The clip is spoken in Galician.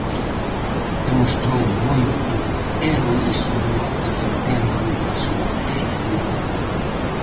Demostrou moito heroísmo defendendo a súa posición.